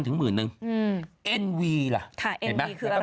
ถนมเคเกอร์ก็ประมาณ๓๐๐๐๑๐๐๐๐บาท